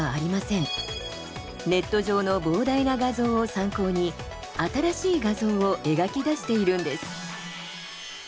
ネット上の膨大な画像を参考に新しい画像を描き出しているんです。